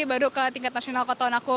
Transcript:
baru ke tingkat nasional kota unaku